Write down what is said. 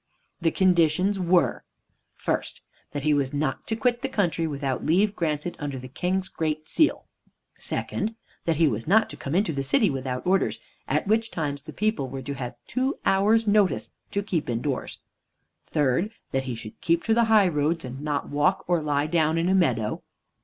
The conditions were: First, that he was not to quit the country without leave granted under the King's Great Seal. Second, that he was not to come into the city without orders; at which times the people were to have two hours' notice to keep indoors. Third, that he should keep to the high roads, and not walk or lie down in a meadow.